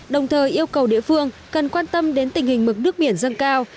đồng thời yêu cầu địa phương cần quan tâm đến tình hình mực nước biển dâng cao